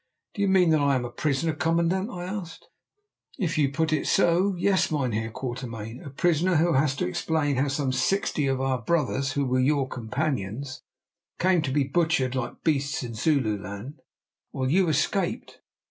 "Do you mean that I am a prisoner, commandant?" I asked. "If you put it so—yes, Mynheer Quatermain—a prisoner who has to explain how some sixty of our brothers, who were your companions, came to be butchered like beasts in Zululand, while you escaped.